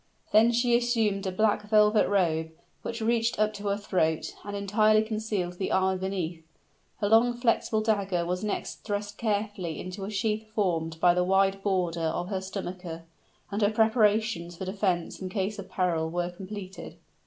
Then she assumed a black velvet robe, which reached up to her throat, and entirely concealed the armor beneath. Her long flexible dagger was next thrust carefully into a sheath formed by the wide border of her stomacher; and her preparations for defense in case of peril were completed.